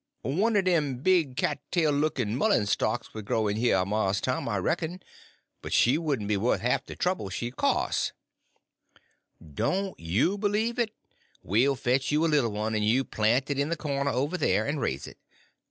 "One er dem big cat tail lookin' mullen stalks would grow in heah, Mars Tom, I reck'n, but she wouldn't be wuth half de trouble she'd coss." "Don't you believe it. We'll fetch you a little one and you plant it in the corner over there, and raise it.